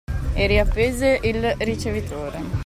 E riappese il ricevitore.